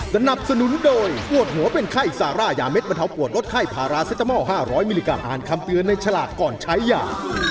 สนับสนุนโดยปวดหัวเป็นไข้ซาร่ายาเด็ดบรรเทาปวดลดไข้พาราเซตามอล๕๐๐มิลลิกรัมอ่านคำเตือนในฉลากก่อนใช้ยา